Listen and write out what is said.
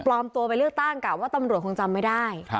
ตัวไปเลือกตั้งกะว่าตำรวจคงจำไม่ได้